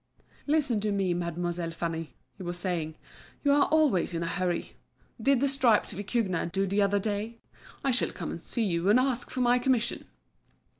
"Listen to me, Mademoiselle Fanny," he was saying; "you are always in a hurry. Did the striped vicugna do the other day? I shall come and see you, and ask for my commission."